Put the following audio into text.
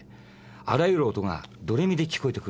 あらゆる音がドレミで聞こえてくるんです。